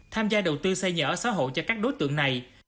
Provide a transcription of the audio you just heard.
tham gia đầu tư xây nhà ở xã hội cho các đối tượng này